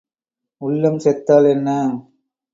உள்ளம் செத்தால் என்ன?